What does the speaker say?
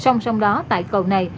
xong xong đó tại cầu này